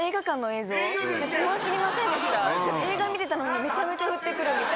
映画見てたのにめちゃめちゃ降って来るみたいな。